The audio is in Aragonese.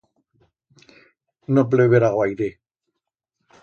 No pleverá guaire.